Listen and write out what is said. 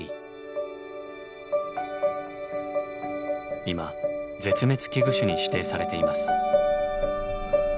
今絶滅危惧種に指定されています。